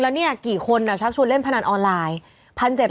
แล้วเนี่ยกี่คนน่ะชอบคุยเล่นพนันออนไลน์